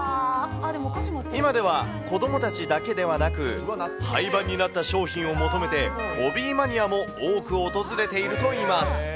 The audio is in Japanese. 今では子どもたちだけではなく、廃番になった商品を求めて、ホビーマニアも多く訪れているといいます。